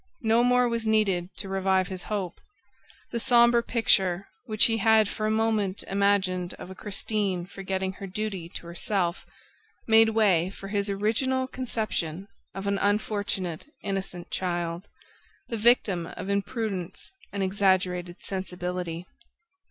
No more was needed to revive his hope. The somber picture which he had for a moment imagined of a Christine forgetting her duty to herself made way for his original conception of an unfortunate, innocent child, the victim of imprudence and exaggerated sensibility.